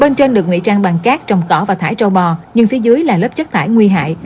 bên trên được nguy trang bằng cát trồng cỏ và thải trâu bò nhưng phía dưới là lớp chất thải nguy hại